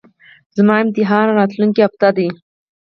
زما امتحان راتلونکۍ اونۍ ده